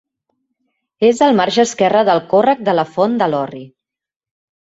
És al marge esquerre del Còrrec de la Font de l'Orri.